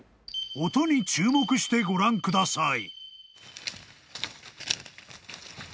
［音に注目してご覧ください］